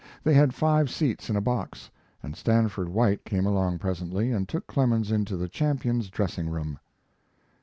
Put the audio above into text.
They had five seats in a box, and Stanford White came along presently and took Clemens into the champion's dressing room.